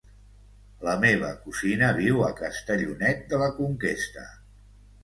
La meva cosina viu a Castellonet de la Conquesta.